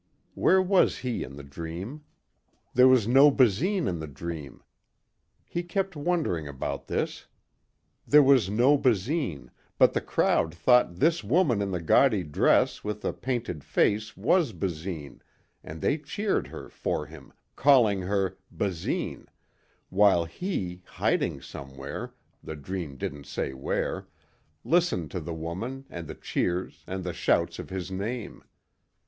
Where was he in the dream? There was no Basine in the dream. He kept wondering about this. There was no Basine but the crowd thought this woman in the gaudy dress with the painted face was Basine and they cheered her for him, calling her, "Basine...." while he, hiding somewhere, the dream didn't say where, listened to the woman and the cheers and the shouts of his name.